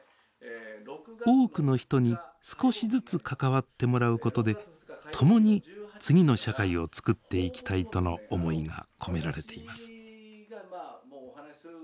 多くの人に少しずつ関わってもらうことで共に次の社会をつくっていきたいとの思いが込められています。